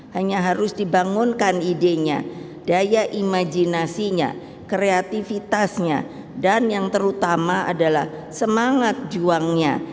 hanya harus dibangunkan idenya daya imajinasinya kreativitasnya dan yang terutama adalah semangat juangnya